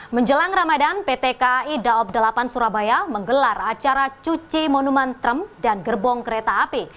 menjelang ramadan pt kai daob delapan surabaya menggelar acara cuci monumen trump dan gerbong kereta api